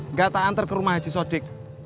nggak tak antar ke rumah haji sodik